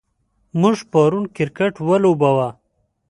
موږ پرون کرکټ ولوباوه.